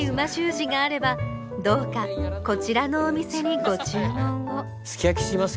字があればどうかこちらのお店にご注文をすき焼きします